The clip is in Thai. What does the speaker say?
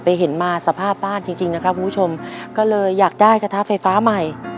เห็นมาสภาพบ้านจริงจริงนะครับคุณผู้ชมก็เลยอยากได้กระทะไฟฟ้าใหม่